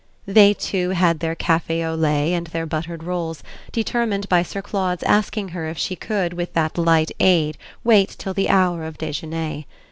They too had their café au lait and their buttered rolls, determined by Sir Claude's asking her if she could with that light aid wait till the hour of déjeuner.